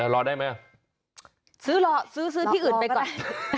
รอได้ไหมซื้อรอซื้อที่อื่นไปก่อน